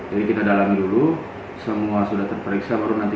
efeknya kalau saya berjalan itu